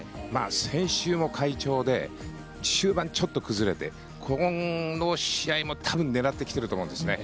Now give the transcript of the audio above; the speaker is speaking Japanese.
先週も快調で終盤ちょっと崩れてこの試合も多分狙ってきていると思うんですね。